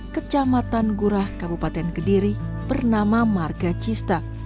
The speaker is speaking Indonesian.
kecamatan gurah kabupaten kediri bernama marga cista